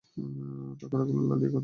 তার পাতাগুলো লাল ইয়াকুতের তৈরি।